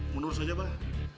menurus aja bah